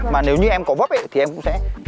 mà nếu như em có vấp thì em cũng sẽ